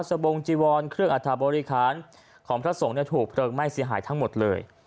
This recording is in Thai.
บงจีวรเครื่องอัฐบริคารของพระสงฆ์ถูกเพลิงไหม้เสียหายทั้งหมดเลย